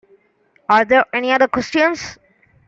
Are there any other questions?